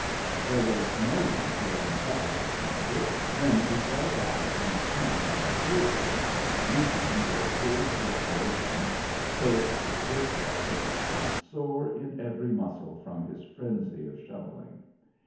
There was no one to warm Travis's blankets, when he fell back upon camp about daybreak, reeking with cold perspiration, soaked with ditch water and sore in every muscle from his frenzy of shoveling.